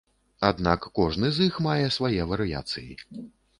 Аднак кожны з іх мае свае варыяцыі.